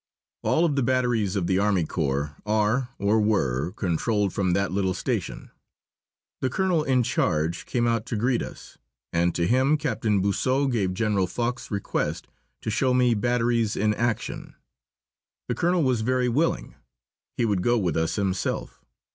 All the batteries of the army corps are or were controlled from that little station. The colonel in charge came out to greet us, and to him Captain Boisseau gave General Foch's request to show me batteries in action. The colonel was very willing. He would go with us himself.